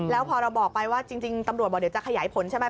แล้วพอเราบอกไปว่าจริงตำรวจบอกเดี๋ยวจะขยายผลใช่ไหม